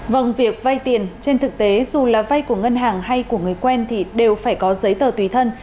vâng việc vay tiền trên thực tế dù là vay của ngân hàng hay của người quen thì đều phải có giấy tờ tùy thân